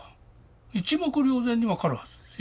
一目瞭然に分かるはずです。